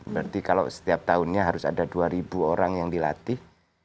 berarti kalau setiap tahunnya harus ada dua orang yang dilatih